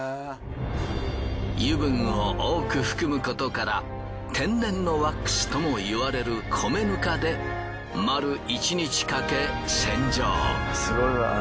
油分を多く含むことから天然のワックスともいわれる米ぬかで丸１日かけ洗浄。